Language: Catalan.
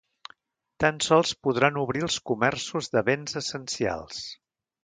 Tan sols podran obrir els comerços de béns essencials.